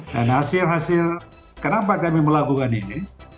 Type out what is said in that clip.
dan hasil hasil kenapa kami melakukan ini